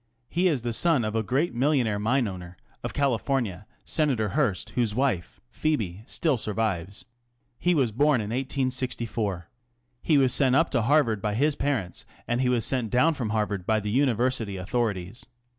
He the son of the great millionaire mineowner, ofCaliforn Senator Hearst, whose wife, Phcebe, still survives, was born in 1864. He was sent up to Harvard his parents, and he was sent down from Harvard the University authorities.